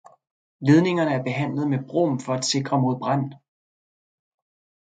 Ledningerne er behandlet med brom for at sikre mod brand.